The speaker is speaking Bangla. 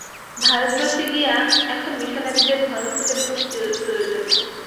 ভারতবর্ষে গিয়া এখন মিশনরীদের ধর্মপ্রচারের কোন প্রয়োজন নাই।